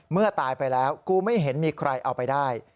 ตายไปแล้วกูไม่เห็นมีใครเอาไปได้